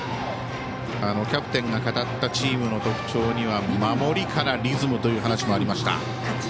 キャプテンが語ったチームの特徴には守りからリズムという話もありました。